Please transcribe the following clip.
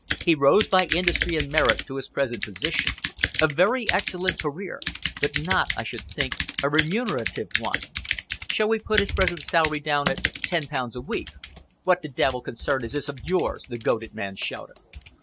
He rose by industry and merit to his present position a very excellent career, but not, I should think, a remunerative one. Shall we put his present salary down at ten pounds a week?" "What the devil concern is this of yours?" the goaded man shouted.